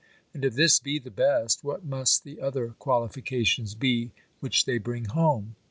And if this be the best, what must the other qualifications be, which they bring home?